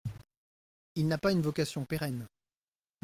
Il n’a pas une vocation pérenne.